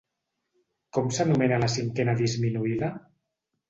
Com s'anomena la cinquena disminuïda?